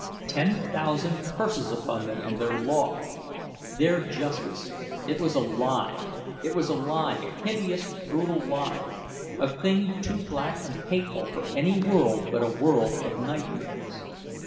Ten thousand curses upon them and their law! Their justice—it was a lie, it was a lie, a hideous, brutal lie, a thing too black and hateful for any world but a world of nightmares.